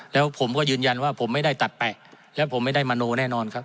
แล้วผมก็ยืนยันว่าผมไม่ได้ตัดแปะและผมไม่ได้มโนแน่นอนครับ